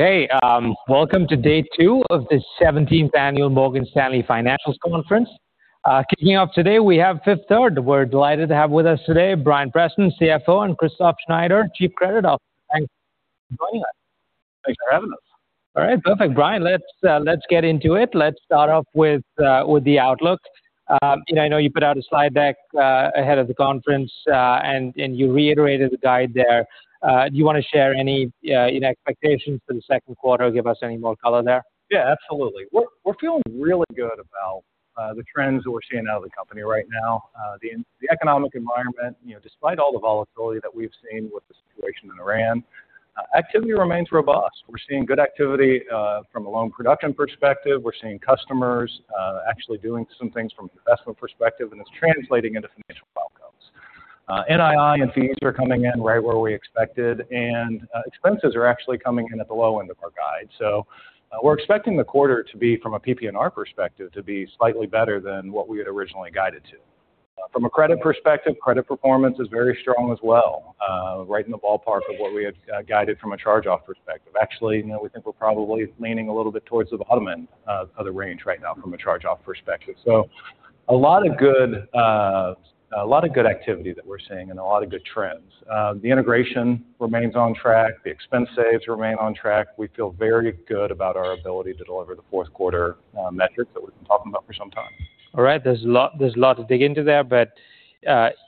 Okay. Welcome to Day two of the 17th Annual Morgan Stanley Financial Conference. Kicking off today, we have Fifth Third. We're delighted to have with us today Bryan Preston, CFO, and Kristof Schneider, Chief Credit Officer. Thanks for joining us. Thanks for having us. All right, perfect. Bryan, let's get into it. Let's start off with the outlook. I know you put out a slide deck ahead of the conference, you reiterated the guide there. Do you want to share any expectations for the second quarter, or give us any more color there? Yeah, absolutely. We're feeling really good about the trends that we're seeing out of the company right now. The economic environment, despite all the volatility that we've seen with the situation in Iran, activity remains robust. We're seeing good activity from a loan production perspective. We're seeing customers actually doing some things from an investment perspective, it's translating into financial outcomes. NII and fees are coming in right where we expected, expenses are actually coming in at the low end of our guide. We're expecting the quarter to be, from a PPNR perspective, to be slightly better than what we had originally guided to. From a credit perspective, credit performance is very strong as well. Right in the ballpark of what we had guided from a charge-off perspective. Actually, we think we're probably leaning a little bit towards the bottom end of the range right now from a charge-off perspective. A lot of good activity that we're seeing and a lot of good trends. The integration remains on track. The expense saves remain on track. We feel very good about our ability to deliver the fourth quarter metrics that we've been talking about for some time. All right. There's a lot to dig into there,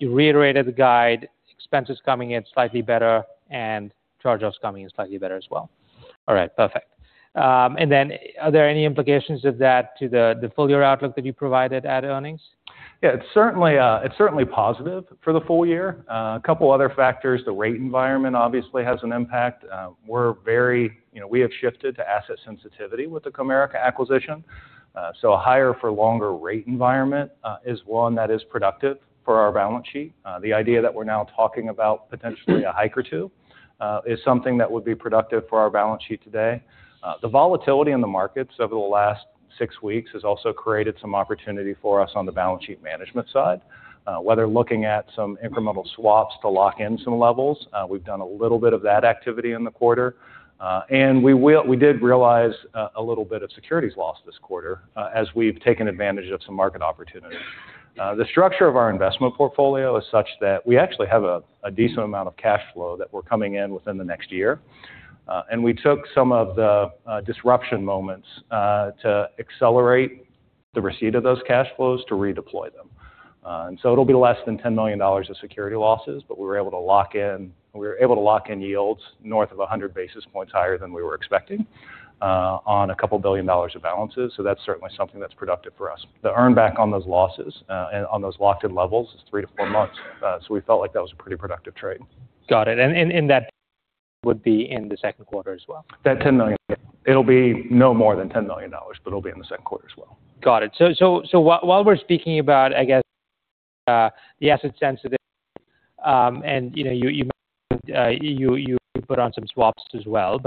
you reiterated the guide. Expenses coming in slightly better and charge-offs coming in slightly better as well. All right, perfect. Are there any implications of that to the full-year outlook that you provided at earnings? Yeah, it's certainly positive for the full year. A couple of other factors. The rate environment obviously has an impact. We have shifted to asset sensitivity with the Comerica acquisition. A higher-for-longer rate environment is one that is productive for our balance sheet. The idea that we're now talking about potentially a hike or two is something that would be productive for our balance sheet today. The volatility in the markets over the last six weeks has also created some opportunity for us on the balance sheet management side. Whether looking at some incremental swaps to lock in some levels, we've done a little bit of that activity in the quarter. We did realize a little bit of securities loss this quarter as we've taken advantage of some market opportunities. The structure of our investment portfolio is such that we actually have a decent amount of cash flow that we're coming in within the next year. We took some of the disruption moments to accelerate the receipt of those cash flows to redeploy them. It'll be less than $10 million of security losses, we were able to lock in yields north of 100 basis points higher than we were expecting on a couple of billion dollars of balances. That's certainly something that's productive for us. The earn back on those losses, on those locked-in levels, is three to four months. We felt like that was a pretty productive trade. Got it. That would be in the second quarter as well? That $10 million. It'll be no more than $10 million, but it'll be in the second quarter as well. Got it. While we're speaking about, I guess, the asset sensitivity, and you put on some swaps as well.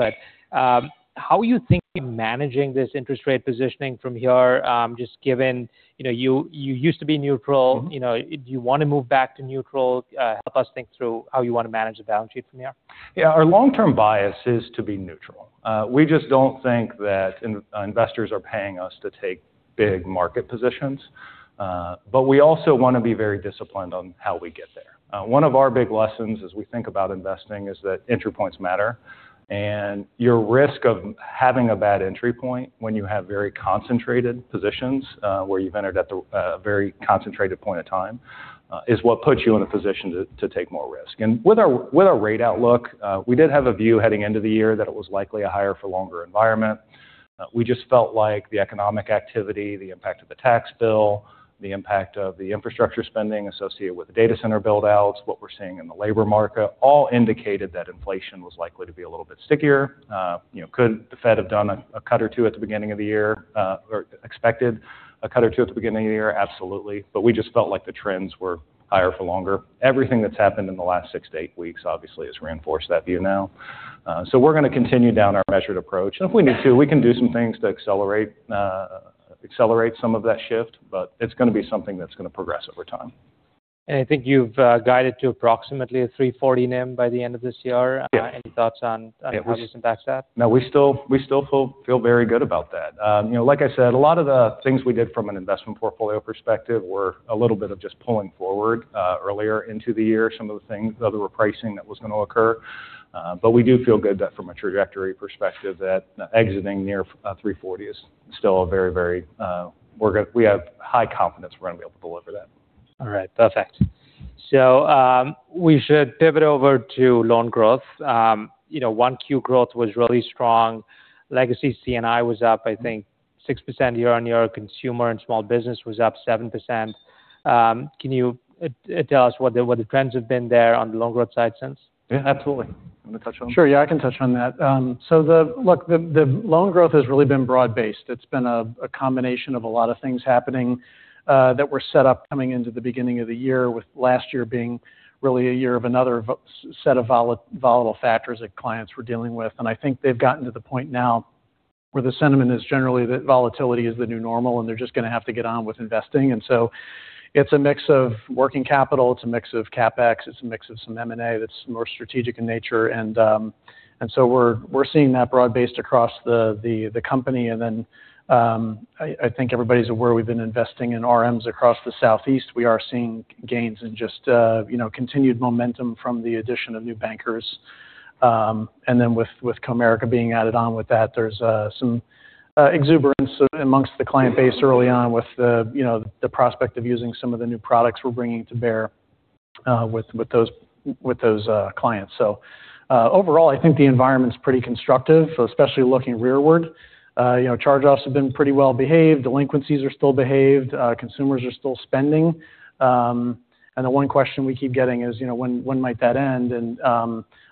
How are you thinking managing this interest rate positioning from here, just given you used to be neutral? Do you want to move back to neutral? Help us think through how you want to manage the balance sheet from here. Our long-term bias is to be neutral. We just don't think that investors are paying us to take big market positions. We also want to be very disciplined on how we get there. One of our big lessons as we think about investing is that entry points matter. Your risk of having a bad entry point when you have very concentrated positions where you've entered at a very concentrated point of time is what puts you in a position to take more risk. With our rate outlook, we did have a view heading into the year that it was likely a higher-for-longer environment. We just felt like the economic activity, the impact of the tax bill, the impact of the infrastructure spending associated with the data center build-outs, what we're seeing in the labor market, all indicated that inflation was likely to be a little bit stickier. Could the Fed have done a cut or two at the beginning of the year, or expected a cut or two at the beginning of the year? Absolutely. We just felt like the trends were higher for longer. Everything that's happened in the last six to eight weeks obviously has reinforced that view now. We're going to continue down our measured approach. If we need to, we can do some things to accelerate some of that shift, but it's going to be something that's going to progress over time. I think you've guided to approximately a 340 NIM by the end of this year. Any thoughts on how you can back that? No, we still feel very good about that. Like I said, a lot of the things we did from an investment portfolio perspective were a little bit of just pulling forward earlier into the year some of the things that were pricing that was going to occur. We do feel good that from a trajectory perspective, that exiting near 340 is still, we have high confidence we're going to be able to deliver that. All right. Perfect. We should pivot over to loan growth. 1Q growth was really strong. Legacy C&I was up, I think, 6% year-over-year. Consumer and small business was up 7%. Can you tell us what the trends have been there on the loan growth side since? Yeah, absolutely. You want to touch on it? Sure. Yeah, I can touch on that. Look, the loan growth has really been broad-based. It's been a combination of a lot of things happening that were set up coming into the beginning of the year, with last year being really a year of another set of volatile factors that clients were dealing with. I think they've gotten to the point now where the sentiment is generally that volatility is the new normal, and they're just going to have to get on with investing. It's a mix of working capital. It's a mix of CapEx. It's a mix of some M&A that's more strategic in nature. We're seeing that broad-based across the company. I think everybody's aware we've been investing in RMs across the Southeast. We are seeing gains in just continued momentum from the addition of new bankers. With Comerica being added on with that, there's some exuberance amongst the client base early on with the prospect of using some of the new products we're bringing to bear with those clients. Overall, I think the environment's pretty constructive, especially looking rearward. Charge-offs have been pretty well behaved. Delinquencies are still behaved. Consumers are still spending. The one question we keep getting is, when might that end?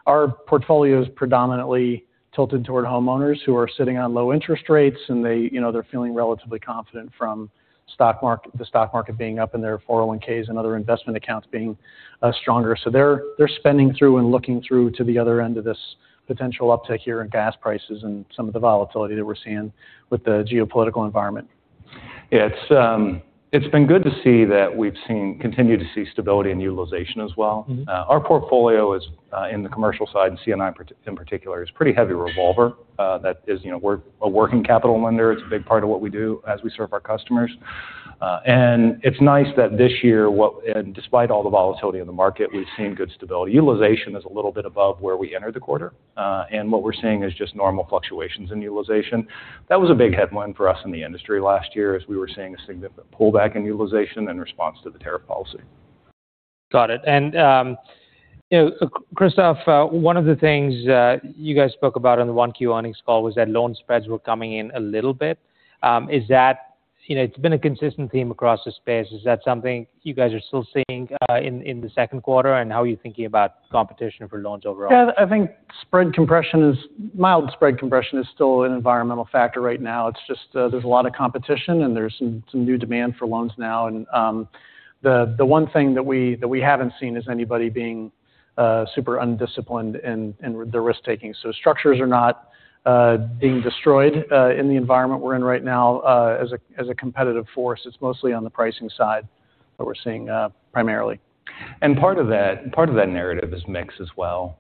Our portfolio's predominantly tilted toward homeowners who are sitting on low interest rates, and they're feeling relatively confident from the stock market being up and their 401(k)s and other investment accounts being stronger. They're spending through and looking through to the other end of this potential uptick here in gas prices and some of the volatility that we're seeing with the geopolitical environment. It's been good to see that we've continued to see stability in utilization as well. Our portfolio is in the commercial side, and C&I in particular, is pretty heavy revolver. That is, we're a working capital lender. It's a big part of what we do as we serve our customers. It's nice that this year, and despite all the volatility in the market, we've seen good stability. Utilization is a little bit above where we entered the quarter. What we're seeing is just normal fluctuations in utilization. That was a big headline for us in the industry last year as we were seeing a significant pullback in utilization in response to the tariff policy. Got it. Kristof, one of the things you guys spoke about on the 1Q earnings call was that loan spreads were coming in a little bit. It's been a consistent theme across the space. Is that something you guys are still seeing in the second quarter, and how are you thinking about competition for loans overall? I think mild spread compression is still an environmental factor right now. It's just there's a lot of competition and there's some new demand for loans now. The one thing that we haven't seen is anybody being super undisciplined in their risk-taking. Structures are not being destroyed in the environment we're in right now as a competitive force. It's mostly on the pricing side that we're seeing primarily. Part of that narrative is mix as well.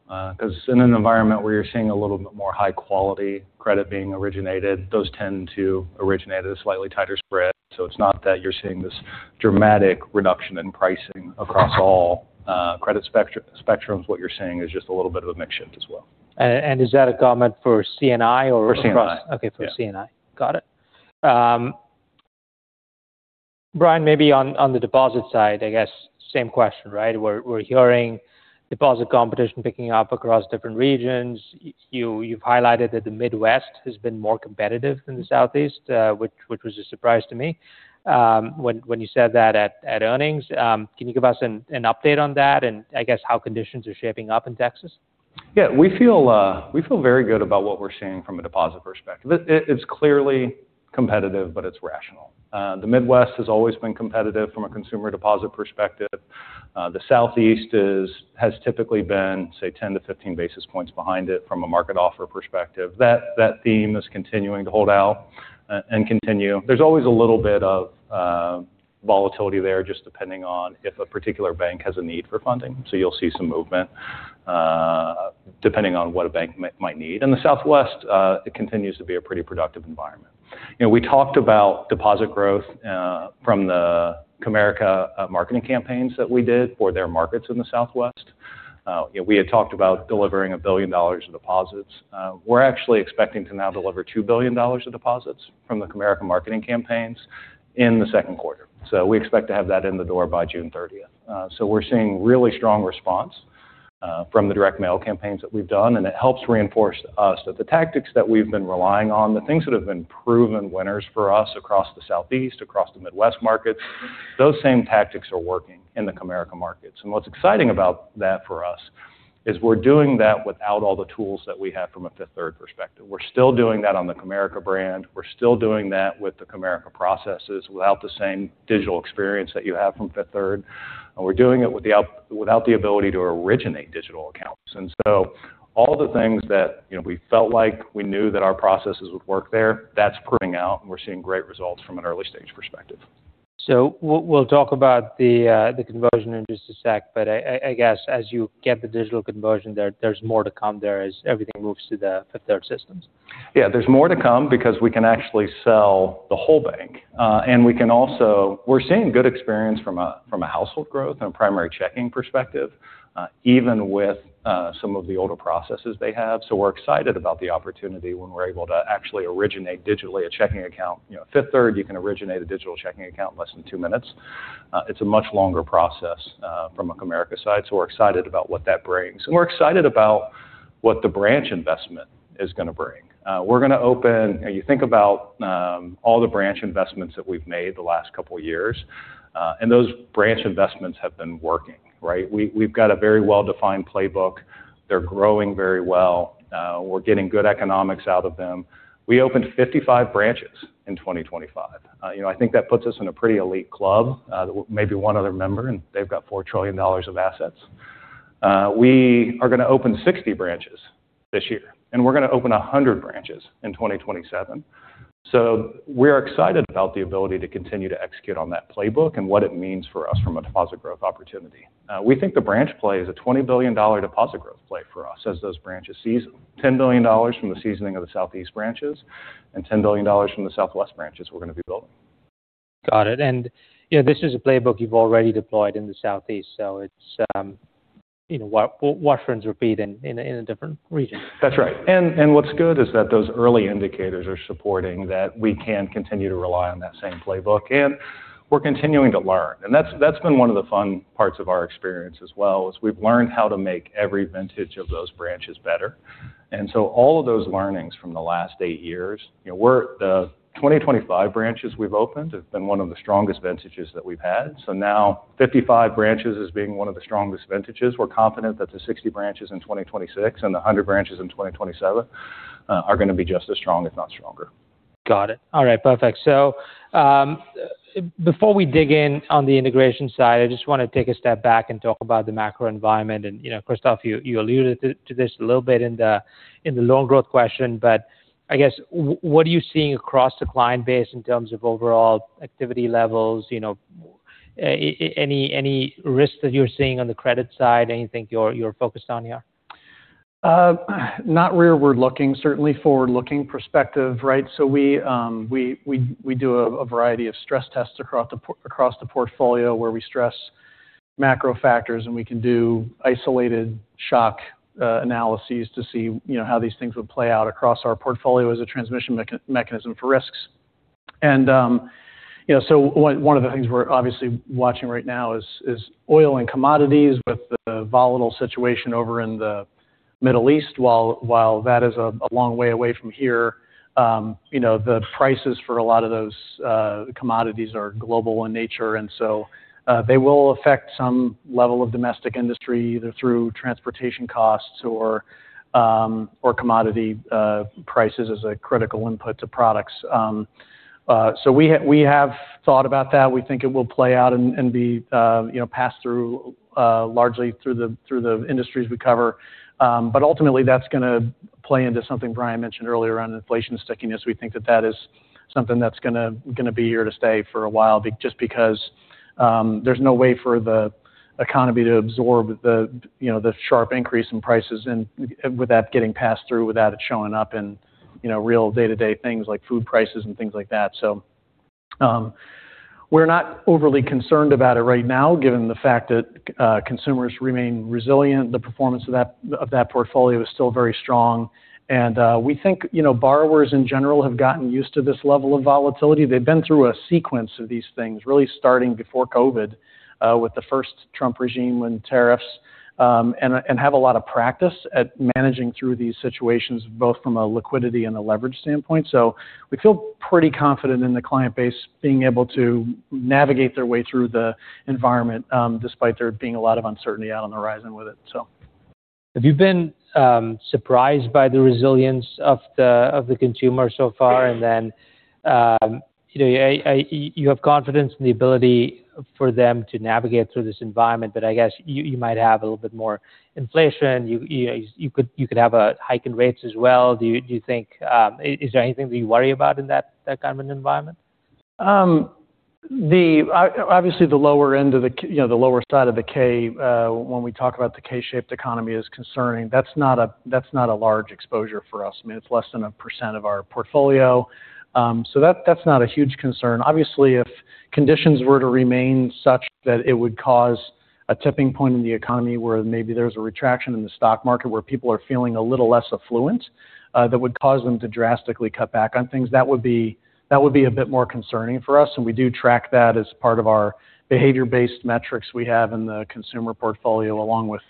In an environment where you're seeing a little bit more high-quality credit being originated, those tend to originate at a slightly tighter spread. It's not that you're seeing this dramatic reduction in pricing across all credit spectrums. What you're seeing is just a little bit of a mix shift as well. Is that a comment for C&I or across? For C&I. Okay, for C&I. Got it. Bryan, maybe on the deposit side, I guess same question, right? We're hearing deposit competition picking up across different regions. You've highlighted that the Midwest has been more competitive than the Southeast which was a surprise to me when you said that at earnings. Can you give us an update on that and I guess how conditions are shaping up in Texas? Yeah. We feel very good about what we're seeing from a deposit perspective. It's clearly competitive, but it's rational. The Midwest has always been competitive from a consumer deposit perspective. The Southeast has typically been, say, 10-15 basis points behind it from a market offer perspective. That theme is continuing to hold out and continue. There's always a little bit of volatility there, just depending on if a particular bank has a need for funding. You'll see some movement depending on what a bank might need. In the Southwest, it continues to be a pretty productive environment. We talked about deposit growth from the Comerica marketing campaigns that we did for their markets in the Southwest. We had talked about delivering $1 billion of deposits. We're actually expecting to now deliver $2 billion of deposits from the Comerica marketing campaigns in the second quarter. We expect to have that in the door by June 30th. We're seeing really strong response from the direct mail campaigns that we've done, and it helps reinforce to us that the tactics that we've been relying on, the things that have been proven winners for us across the Southeast, across the Midwest markets, those same tactics are working in the Comerica markets. What's exciting about that for us is we're doing that without all the tools that we have from a Fifth Third perspective. We're still doing that on the Comerica brand. We're still doing that with the Comerica processes without the same digital experience that you have from Fifth Third, and we're doing it without the ability to originate digital accounts. All the things that we felt like we knew that our processes would work there, that's proving out, and we're seeing great results from an early-stage perspective. We'll talk about the conversion in just a sec. I guess as you get the digital conversion there's more to come there as everything moves to the Fifth Third systems. Yeah, there's more to come because we can actually sell the whole bank. We're seeing good experience from a household growth and a primary checking perspective even with some of the older processes they have. We're excited about the opportunity when we're able to actually originate digitally a checking account. Fifth Third, you can originate a digital checking account in less than two minutes. It's a much longer process from a Comerica side. We're excited about what that brings, and we're excited about what the branch investment is going to bring. You think about all the branch investments that we've made the last couple of years, and those branch investments have been working, right? We've got a very well-defined playbook. They're growing very well. We're getting good economics out of them. We opened 55 branches in 2025. I think that puts us in a pretty elite club. Maybe one other member, and they've got $4 trillion of assets. We are going to open 60 branches this year, and we're going to open 100 branches in 2027. We're excited about the ability to continue to execute on that playbook and what it means for us from a deposit growth opportunity. We think the branch play is a $20 billion deposit growth play for us as those branches season. $10 billion from the seasoning of the Southeast branches and $10 billion from the Southwest branches we're going to be building. Got it. This is a playbook you've already deployed in the Southeast, it's wash, rinse, repeat in a different region. That's right. What's good is that those early indicators are supporting that we can continue to rely on that same playbook. We're continuing to learn, and that's been one of the fun parts of our experience as well, is we've learned how to make every vintage of those branches better. All of those learnings from the last eight years. The 2025 branches we've opened have been one of the strongest vintages that we've had. So now 55 branches as being one of the strongest vintages. We're confident that the 60 branches in 2026 and the 100 branches in 2027 are going to be just as strong, if not stronger. Got it. All right, perfect. Before we dig in on the integration side, I just want to take a step back and talk about the macro environment. Kristof, you alluded to this a little bit in the loan growth question, but I guess, what are you seeing across the client base in terms of overall activity levels? Any risks that you're seeing on the credit side? Anything you're focused on here? Not rearward-looking, certainly forward-looking perspective, right? We do a variety of stress tests across the portfolio where we stress macro factors, and we can do isolated shock analyses to see how these things would play out across our portfolio as a transmission mechanism for risks. One of the things we're obviously watching right now is oil and commodities with the volatile situation over in the Middle East. While that is a long way away from here, the prices for a lot of those commodities are global in nature, and so they will affect some level of domestic industry, either through transportation costs or commodity prices as a critical input to products. We have thought about that. We think it will play out and be passed through largely through the industries we cover. Ultimately that's going to play into something Bryan mentioned earlier around inflation stickiness. We think that that is something that's going to be here to stay for a while just because there's no way for the economy to absorb the sharp increase in prices, and with that getting passed through without it showing up in real day-to-day things like food prices and things like that. We're not overly concerned about it right now, given the fact that consumers remain resilient. The performance of that portfolio is still very strong. We think borrowers in general have gotten used to this level of volatility. They've been through a sequence of these things really starting before COVID with the first Trump regime when tariffs, and have a lot of practice at managing through these situations, both from a liquidity and a leverage standpoint. We feel pretty confident in the client base being able to navigate their way through the environment despite there being a lot of uncertainty out on the horizon with it. Have you been surprised by the resilience of the consumer so far? You have confidence in the ability for them to navigate through this environment, I guess you might have a little bit more inflation. You could have a hike in rates as well. Is there anything that you worry about in that kind of an environment? Obviously the lower side of the K when we talk about the K-shaped economy is concerning. That's not a large exposure for us. It's less than a percent of our portfolio. That's not a huge concern. Obviously, if conditions were to remain such that it would cause a tipping point in the economy where maybe there's a retraction in the stock market where people are feeling a little less affluent, that would cause them to drastically cut back on things. That would be a bit more concerning for us, and we do track that as part of our behavior-based metrics we have in the consumer portfolio, along with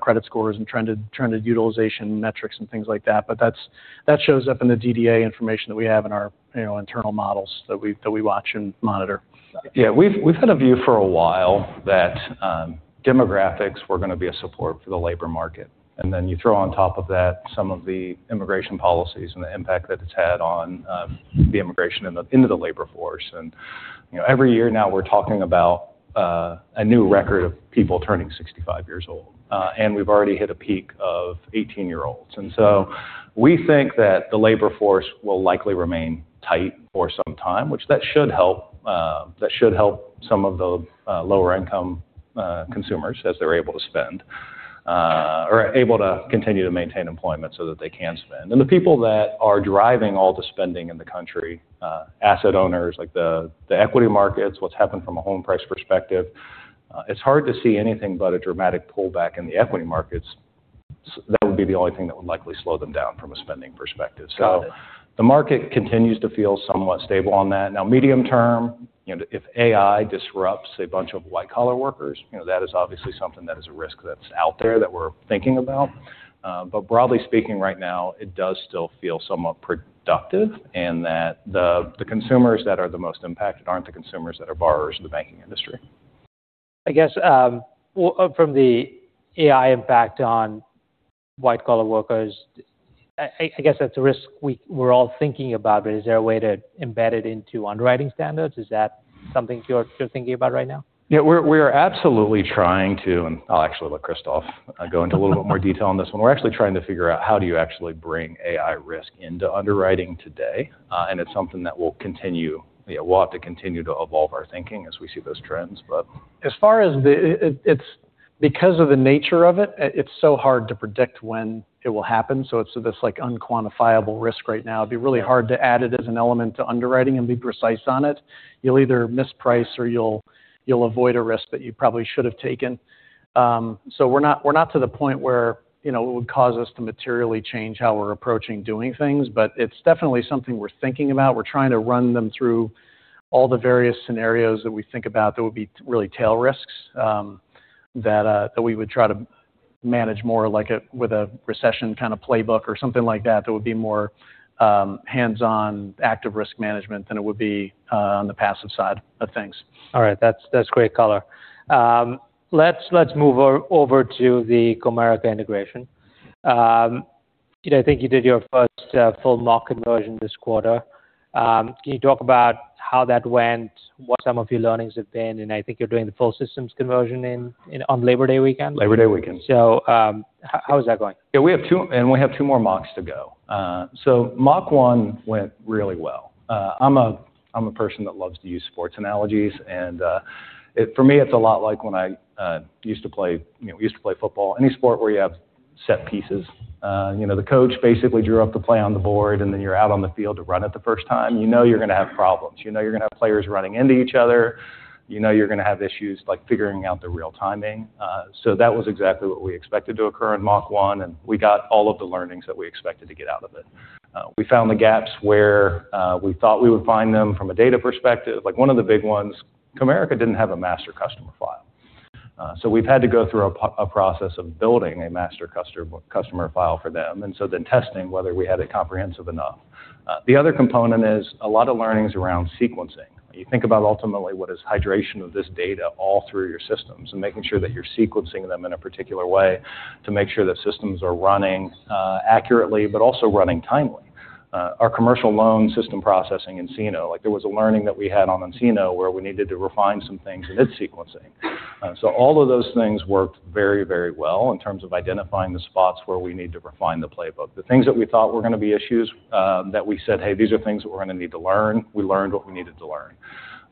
credit scores and trended utilization metrics and things like that. That shows up in the DDA information that we have in our internal models that we watch and monitor. Yeah. We've had a view for a while that demographics were going to be a support for the labor market. You throw on top of that some of the immigration policies and the impact that it's had on the immigration into the labor force. Every year now we're talking about a new record of people turning 65 years old. We've already hit a peak of 18-year-olds. We think that the labor force will likely remain tight for some time, which that should help some of the lower income consumers as they're able to spend, or able to continue to maintain employment so that they can spend. The people that are driving all the spending in the country, asset owners like the equity markets, what's happened from a home price perspective. It's hard to see anything but a dramatic pullback in the equity markets. That would be the only thing that would likely slow them down from a spending perspective. The market continues to feel somewhat stable on that. Medium term, if AI disrupts a bunch of white-collar workers, that is obviously something that is a risk that's out there that we're thinking about. Broadly speaking right now, it does still feel somewhat productive in that the consumers that are the most impacted aren't the consumers that are borrowers in the banking industry. I guess from the AI impact on white-collar workers, I guess that's a risk we're all thinking about, but is there a way to embed it into underwriting standards? Is that something you're thinking about right now? Yeah. We're absolutely trying to, and I'll actually let Kristof go into a little bit more detail on this one. We're actually trying to figure out how do you actually bring AI risk into underwriting today. It's something that we'll have to continue to evolve our thinking as we see those trends. Because of the nature of it's so hard to predict when it will happen. It's this unquantifiable risk right now. It'd be really hard to add it as an element to underwriting and be precise on it. You'll either misprice or you'll avoid a risk that you probably should've taken. We're not to the point where it would cause us to materially change how we're approaching doing things. It's definitely something we're thinking about. We're trying to run them through all the various scenarios that we think about that would be really tail risks, that we would try to manage more with a recession kind of playbook or something like that. That would be more hands-on active risk management than it would be on the passive side of things. All right. That's great color. Let's move over to the Comerica integration. I think you did your first full mock conversion this quarter. Can you talk about how that went, what some of your learnings have been? I think you're doing the full systems conversion on Labor Day weekend. Labor Day weekend. How is that going? We have two more mocks to go. Mock one went really well. I am a person that loves to use sports analogies. For me, it is a lot like when I used to play football. Any sport where you have set pieces. The coach basically drew up the play on the board, and then you are out on the field to run it the first time. You know you are going to have problems. You know you are going to have players running into each other. You know you are going to have issues like figuring out the real timing. That was exactly what we expected to occur in mock one, and we got all of the learnings that we expected to get out of it. We found the gaps where we thought we would find them from a data perspective. One of the big ones, Comerica did not have a master customer file. We have had to go through a process of building a master customer file for them. Then testing whether we had it comprehensive enough. The other component is a lot of learnings around sequencing. You think about ultimately what is hydration of this data all through your systems, and making sure that you are sequencing them in a particular way to make sure that systems are running accurately, but also running timely. Our commercial loan system processing in nCino. There was a learning that we had on nCino where we needed to refine some things in its sequencing. All of those things worked very well in terms of identifying the spots where we need to refine the playbook. The things that we thought were going to be issues that we said, "Hey, these are things that we are going to need to learn." We learned what we needed to learn.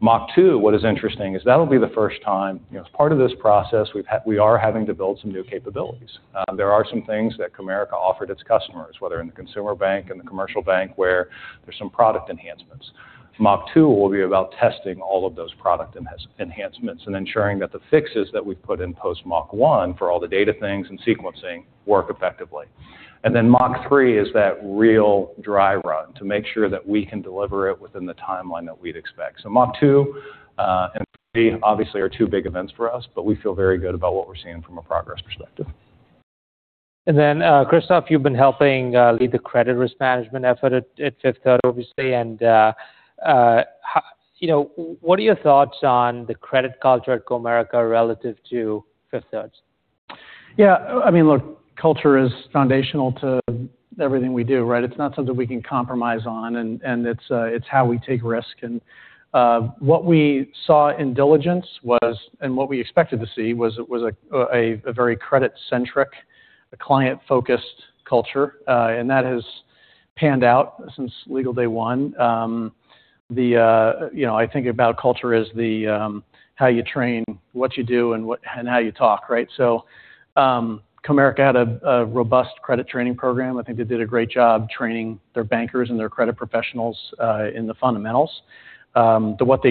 Mock two, what is interesting is that will be the first time as part of this process we are having to build some new capabilities. There are some things that Comerica offered its customers, whether in the consumer bank, in the commercial bank, where there is some product enhancements. Mock two will be about testing all of those product enhancements and ensuring that the fixes that we have put in post mock one for all the data things and sequencing work effectively. Then mock three is that real dry run to make sure that we can deliver it within the timeline that we would expect. Mock two and three obviously are two big events for us, but we feel very good about what we're seeing from a progress perspective. Kristof, you've been helping lead the credit risk management effort at Fifth Third, obviously. What are your thoughts on the credit culture at Comerica relative to Fifth Third's? Yeah. Look, culture is foundational to everything we do, right? It's not something we can compromise on, and it's how we take risk. What we saw in diligence and what we expected to see was a very credit-centric, a client-focused culture. That has panned out since legal day one. I think about culture as how you train what you do and how you talk, right? Comerica had a robust credit training program. I think they did a great job training their bankers and their credit professionals in the fundamentals. What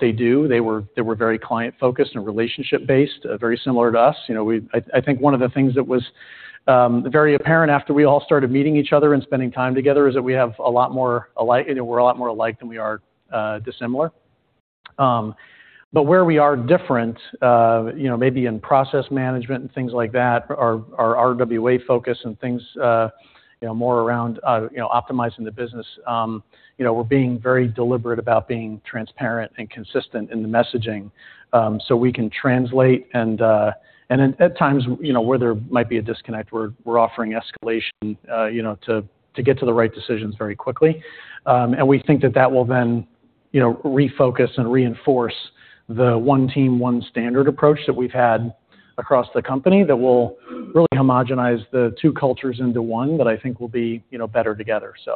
they do, they were very client-focused and relationship-based, very similar to us. I think one of the things that was very apparent after we all started meeting each other and spending time together is that we have a lot more alike than we are dissimilar. Where we are different, maybe in process management and things like that, our RWA focus and things more around optimizing the business. We're being very deliberate about being transparent and consistent in the messaging. We can translate and at times where there might be a disconnect, we're offering escalation to get to the right decisions very quickly. We think that that will then refocus and reinforce the one team, one standard approach that we've had across the company that will really homogenize the two cultures into one that I think will be better together. Yeah.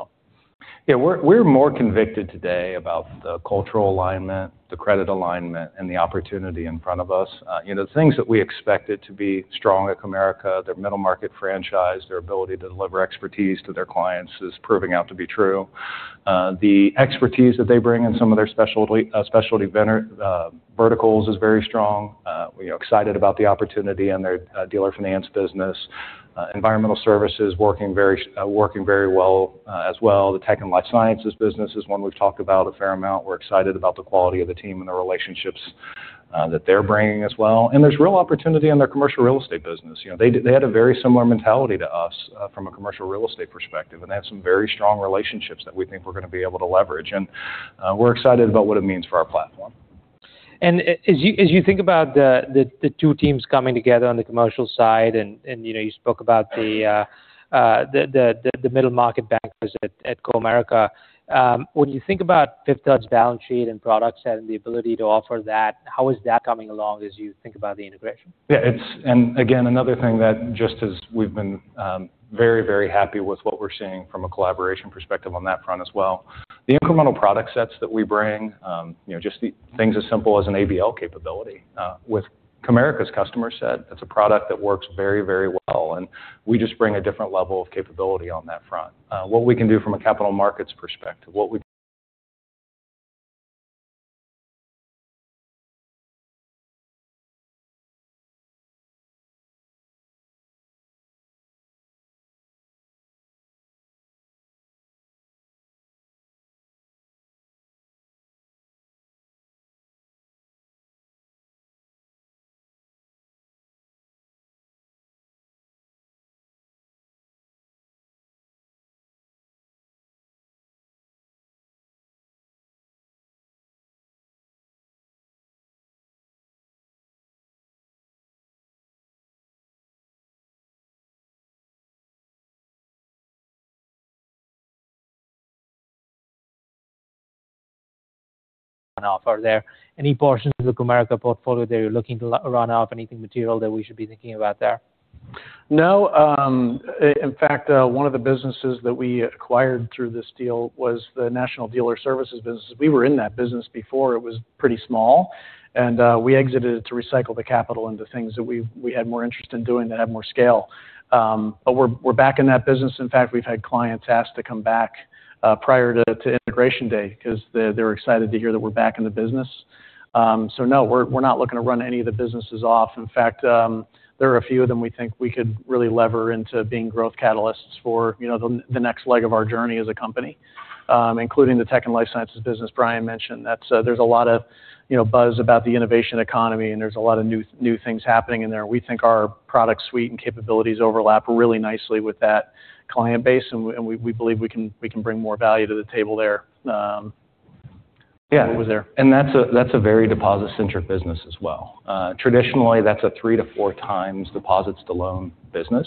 We're more convicted today about the cultural alignment, the credit alignment, and the opportunity in front of us. Things that we expected to be strong at Comerica, their middle market franchise, their ability to deliver expertise to their clients is proving out to be true. The expertise that they bring in some of their specialty verticals is very strong. We're excited about the opportunity in their dealer finance business. Environmental services working very well as well. The tech and life sciences business is one we've talked about a fair amount. We're excited about the quality of the team and the relationships that they're bringing as well. There's real opportunity in their commercial real estate business. They had a very similar mentality to us from a commercial real estate perspective, and they have some very strong relationships that we think we're going to be able to leverage. We're excited about what it means for our platform. As you think about the two teams coming together on the commercial side and you spoke about the middle-market bankers at Comerica. When you think about Fifth Third's balance sheet and product set and the ability to offer that, how is that coming along as you think about the integration? Yeah. Again, another thing that just as we've been very happy with what we're seeing from a collaboration perspective on that front as well. The incremental product sets that we bring, just the things as simple as an ABL capability. With Comerica's customer set, it's a product that works very well, and we just bring a different level of capability on that front. What we can do from a capital markets perspective. Are there any portions of the Comerica portfolio that you're looking to run off? Anything material that we should be thinking about there? No. In fact, one of the businesses that we acquired through this deal was the National Dealer Services business. We were in that business before. It was pretty small, and we exited it to recycle the capital into things that we had more interest in doing that had more scale. We're back in that business. In fact, we've had clients ask to come back prior to integration day because they're excited to hear that we're back in the business. No, we're not looking to run any of the businesses off. In fact, there are a few of them we think we could really lever into being growth catalysts for the next leg of our journey as a company, including the Tech and Life Sciences business Bryan mentioned. There's a lot of buzz about the innovation economy, there's a lot of new things happening in there. We think our product suite and capabilities overlap really nicely with that client base, we believe we can bring more value to the table there. Over there. That's a very deposit-centric business as well. Traditionally, that's a three to four times deposits to loan business.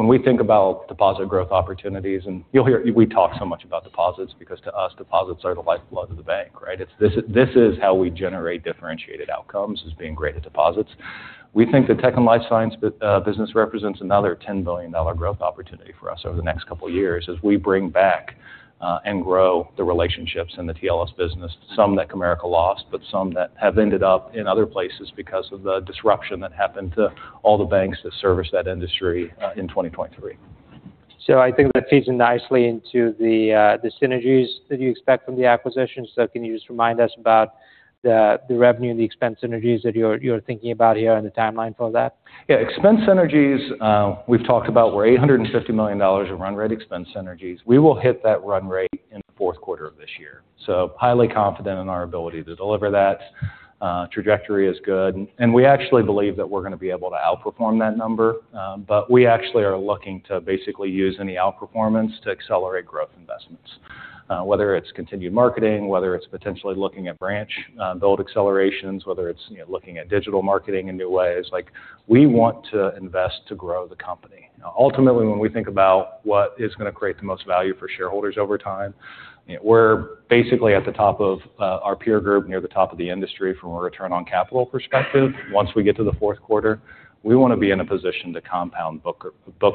When we think about deposit growth opportunities, you'll hear, we talk so much about deposits because to us, deposits are the lifeblood of the bank, right? This is how we generate differentiated outcomes is being great at deposits. We think the Tech and Life Sciences business represents another $10 billion growth opportunity for us over the next couple of years as we bring back and grow the relationships in the TLS business, some that Comerica lost, but some that have ended up in other places because of the disruption that happened to all the banks that service that industry in 2023. I think that feeds in nicely into the synergies that you expect from the acquisition. Can you just remind us about the revenue and the expense synergies that you're thinking about here and the timeline for that? Yeah. Expense synergies, we've talked about were $850 million of run rate expense synergies. We will hit that run rate in the fourth quarter of this year, highly confident in our ability to deliver that. Trajectory is good, and we actually believe that we're going to be able to outperform that number. We actually are looking to basically use any outperformance to accelerate growth investments. Whether it's continued marketing, whether it's potentially looking at branch build accelerations, whether it's looking at digital marketing in new ways. We want to invest to grow the company. Ultimately, when we think about what is going to create the most value for shareholders over time, we're basically at the top of our peer group, near the top of the industry from a return on capital perspective. Once we get to the fourth quarter, we want to be in a position to compound book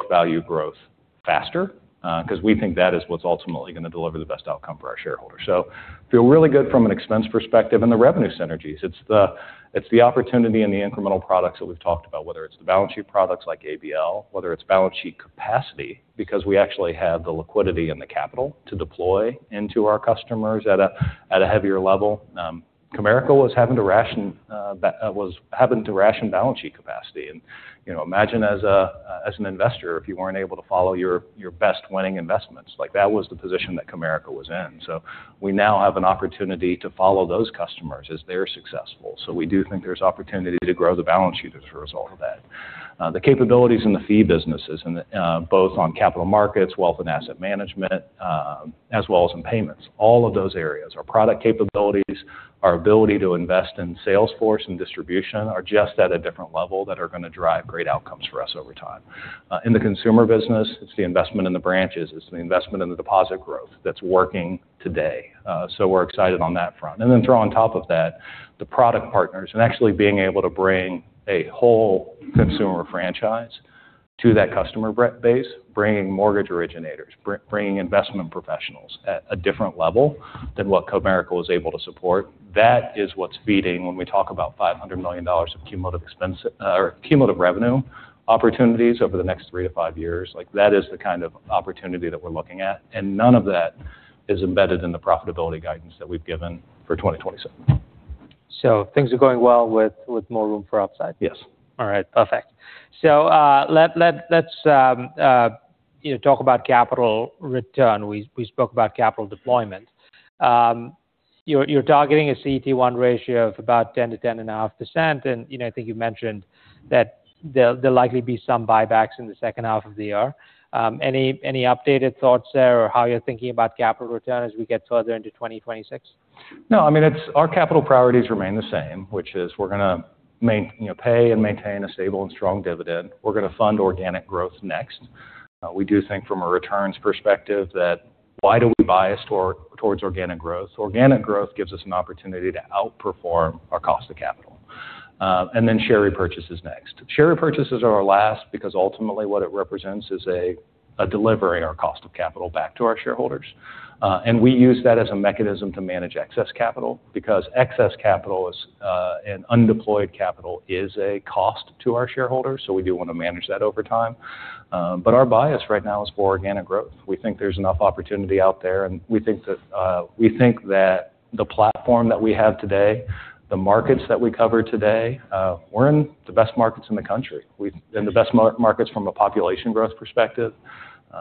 value growth faster because we think that is what's ultimately going to deliver the best outcome for our shareholders. Feel really good from an expense perspective and the revenue synergies. It's the opportunity and the incremental products that we've talked about, whether it's the balance sheet products like ABL, whether it's balance sheet capacity, because we actually have the liquidity and the capital to deploy into our customers at a heavier level. Comerica was having to ration balance sheet capacity. Imagine as an investor, if you weren't able to follow your best winning investments. That was the position that Comerica was in. We now have an opportunity to follow those customers as they're successful. We do think there's opportunity to grow the balance sheet as a result of that. The capabilities in the fee businesses, both on capital markets, wealth and asset management, as well as in payments. All of those areas. Our product capabilities, our ability to invest in sales force and distribution are just at a different level that are going to drive great outcomes for us over time. In the consumer business, it's the investment in the branches, it's the investment in the deposit growth that's working today. Then throw on top of that the product partners and actually being able to bring a whole consumer franchise to that customer base, bringing mortgage originators, bringing investment professionals at a different level than what Comerica was able to support. That is what's feeding when we talk about $500 million of cumulative revenue opportunities over the next three to five years. That is the kind of opportunity that we're looking at, none of that is embedded in the profitability guidance that we've given for 2027. Things are going well with more room for upside? Yes. All right. Perfect. Let's talk about capital return. We spoke about capital deployment. You're targeting a CET1 ratio of about 10%-10.5%, I think you mentioned that there'll likely be some buybacks in the second half of the year. Any updated thoughts there or how you're thinking about capital return as we get further into 2026? No, our capital priorities remain the same, which is we're going to pay and maintain a stable and strong dividend. We're going to fund organic growth next. We do think from a returns perspective that why do we bias towards organic growth? Organic growth gives us an opportunity to outperform our cost of capital. Then share repurchases next. Share repurchases are our last because ultimately what it represents is delivering our cost of capital back to our shareholders. We do want to manage that over time. Our bias right now is for organic growth. We think there's enough opportunity out there, we think that the platform that we have today, the markets that we cover today, we're in the best markets in the country. We're in the best markets from a population growth perspective,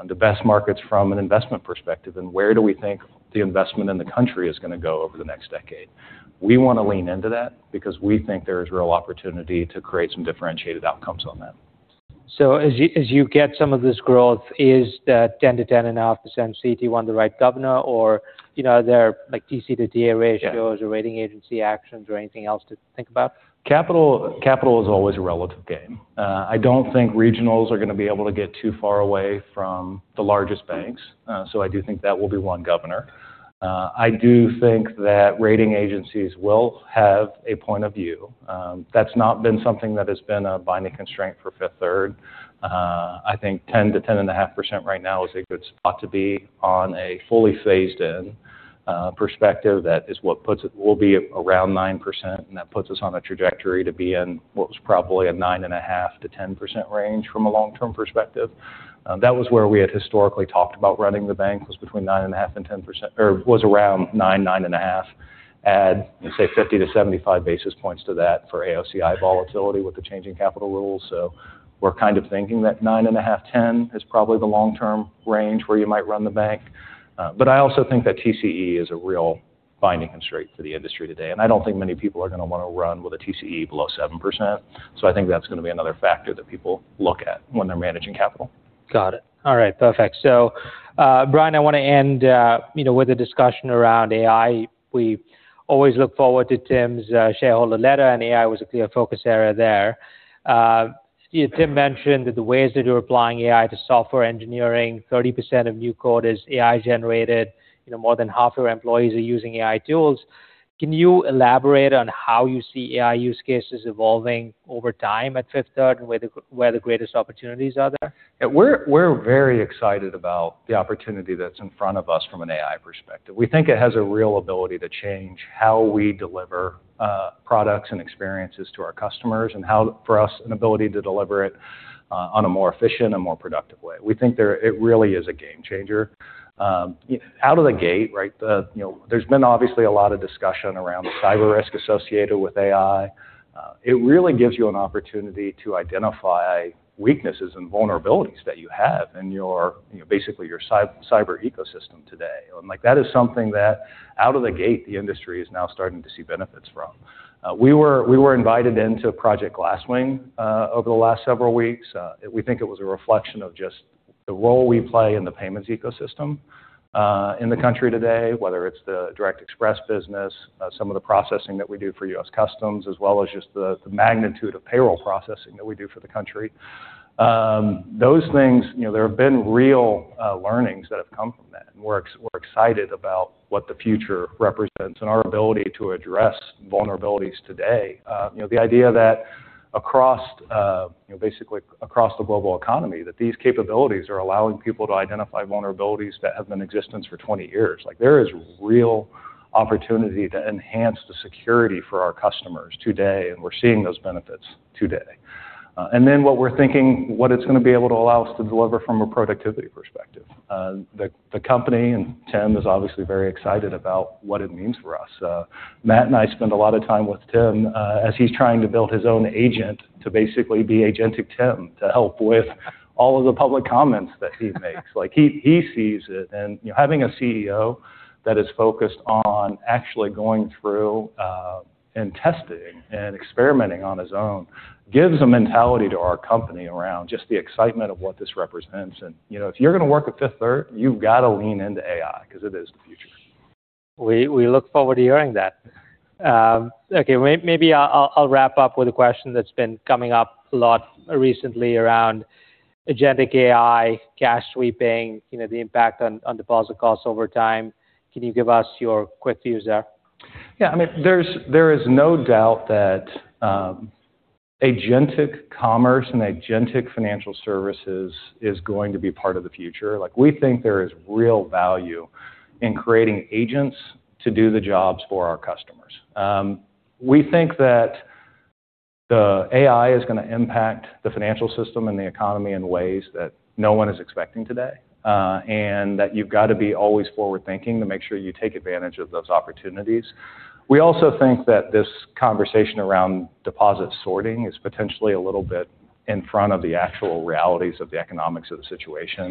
the best markets from an investment perspective. Where do we think the investment in the country is going to go over the next decade? We want to lean into that because we think there is real opportunity to create some differentiated outcomes on that. As you get some of this growth, is that 10%-10.5% CET1 the right governor or are there TCE to TA ratios or rating agency actions or anything else to think about? Capital is always a relative game. I don't think regionals are going to be able to get too far away from the largest banks. I do think that will be one governor. I do think that rating agencies will have a point of view. That's not been something that has been a binding constraint for Fifth Third. I think 10%-10.5% right now is a good spot to be on a fully phased-in perspective. That is what puts it. We'll be around 9%, and that puts us on a trajectory to be in what was probably a 9.5%-10% range from a long-term perspective. That was where we had historically talked about running the bank, was between 9.5% and 10% or was around 9.5. Add, let's say, 50 to 75 basis points to that for AOCI volatility with the changing capital rules. We're kind of thinking that 9.5%-10% is probably the long-term range where you might run the bank. I also think that TCE is a real binding constraint for the industry today, and I don't think many people are going to want to run with a TCE below 7%. I think that's going to be another factor that people look at when they're managing capital. Got it. All right, perfect. Bryan, I want to end with a discussion around AI. We always look forward to Tim's shareholder letter, and AI was a clear focus area there. Tim mentioned the ways that you're applying AI to software engineering. 30% of new code is AI-generated. More than half of your employees are using AI tools. Can you elaborate on how you see AI use cases evolving over time at Fifth Third, and where the greatest opportunities are there? Yeah. We're very excited about the opportunity that's in front of us from an AI perspective. We think it has a real ability to change how we deliver products and experiences to our customers and how for us, an ability to deliver it on a more efficient and more productive way. We think it really is a game changer. Out of the gate, there's been obviously a lot of discussion around the cyber risk associated with AI. It really gives you an opportunity to identify weaknesses and vulnerabilities that you have in basically your cyber ecosystem today. That is something that out of the gate, the industry is now starting to see benefits from. We were invited into Project Glasswing over the last several weeks. We think it was a reflection of just the role we play in the payments ecosystem in the country today, whether it's the Direct Express business, some of the processing that we do for U.S. Customs, as well as just the magnitude of payroll processing that we do for the country. Those things, there have been real learnings that have come from that, and we're excited about what the future represents and our ability to address vulnerabilities today. The idea that basically across the global economy, that these capabilities are allowing people to identify vulnerabilities that have been in existence for 20 years. There is real opportunity to enhance the security for our customers today, and we're seeing those benefits today. Then what we're thinking, what it's going to be able to allow us to deliver from a productivity perspective. The company, Tim is obviously very excited about what it means for us. Matt and I spend a lot of time with Tim as he's trying to build his own agent to basically be agentic Tim to help with all of the public comments that he makes. He sees it. Having a CEO that is focused on actually going through and testing and experimenting on his own gives a mentality to our company around just the excitement of what this represents. If you're going to work at Fifth Third, you've got to lean into AI because it is the future. We look forward to hearing that. Okay. Maybe I'll wrap up with a question that's been coming up a lot recently around agentic AI, cash sweeping, the impact on deposit costs over time. Can you give us your quick views there? Yeah. There is no doubt that agentic commerce and agentic financial services is going to be part of the future. We think there is real value in creating agents to do the jobs for our customers. We think that the AI is going to impact the financial system and the economy in ways that no one is expecting today, and that you've got to be always forward-thinking to make sure you take advantage of those opportunities. We also think that this conversation around deposit sorting is potentially a little bit in front of the actual realities of the economics of the situation.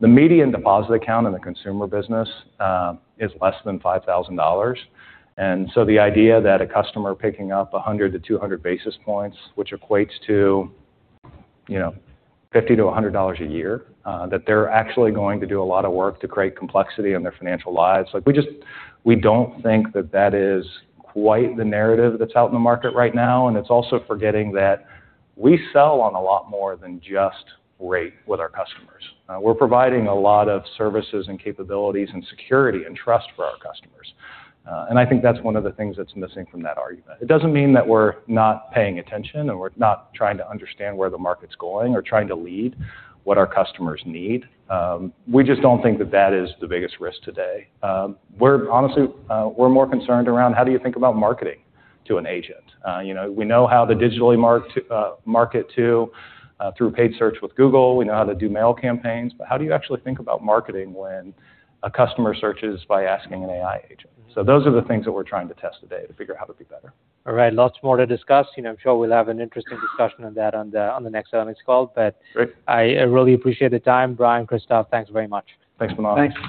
The median deposit account in the consumer business is less than $5,000. The idea that a customer picking up 100 to 200 basis points, which equates to $50 to $100 a year. That they're actually going to do a lot of work to create complexity in their financial lives. We don't think that that is quite the narrative that's out in the market right now, and it's also forgetting that we sell on a lot more than just rate with our customers. We're providing a lot of services and capabilities and security and trust for our customers. I think that's one of the things that's missing from that argument. It doesn't mean that we're not paying attention, and we're not trying to understand where the market's going or trying to lead what our customers need. We just don't think that that is the biggest risk today. Honestly, we're more concerned around how do you think about marketing to an agent. We know how to digitally market to through paid search with Google. We know how to do mail campaigns. How do you actually think about marketing when a customer searches by asking an AI agent? Those are the things that we're trying to test today to figure out how to be better. All right. Lots more to discuss. I'm sure we'll have an interesting discussion on that on the next earnings call. I really appreciate the time. Bryan, Kristof, thanks very much. Thanks, Manan.